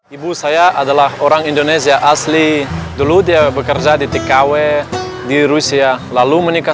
ibu saya adalah orang indonesia asli dulu dia bekerja di tkw di rusia lalu menikah